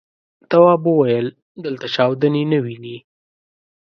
تواب وويل: دلته چاودنې نه وینې.